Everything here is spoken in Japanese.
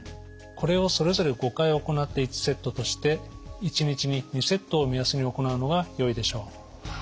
これをそれぞれ５回行って１セットとして１日に２セットを目安に行うのがよいでしょう。